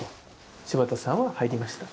柴田さんは入りました。